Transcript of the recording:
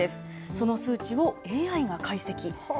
その数値をＡＩが解析。